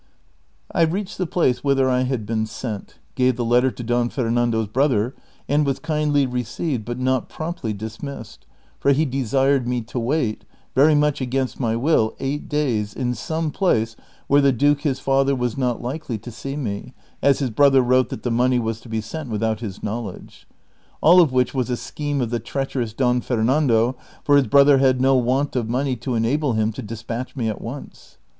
I reached the place whither I had been sent, gave the letter to Don Fernando's brother, and was kindly received but not j^romptly dis missed, for he desired me to wait, very much against my will, eight days in some place where the duke his father was not likely to see me, as his brother wrote that the money was to be sent without his know^ledge ; all of which was a scheme of the treacherous Don Fernando, for his brother had no want of money to enable iiim to despatch me at once.